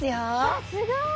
わっすごい！